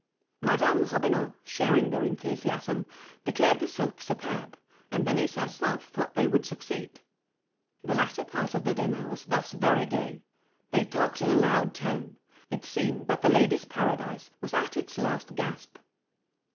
Madame Robineau, sharing this enthusiasm, declared the silk superb, and Denise herself thought they would succeed. The latter part of the dinner was thus very gay. They talked in a loud tone; it seemed that The Ladies' Paradise was at its last gasp.